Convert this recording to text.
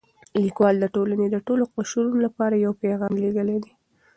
لیکوال د ټولنې د ټولو قشرونو لپاره یو پیغام لېږلی دی.